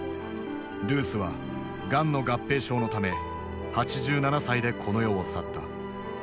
ルースはがんの合併症のため８７歳でこの世を去った。